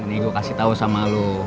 ini gue kasih tau sama lo